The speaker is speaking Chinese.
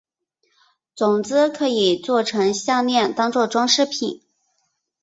种子可以作成项炼当作装饰品。